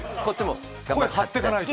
声張っていかないと。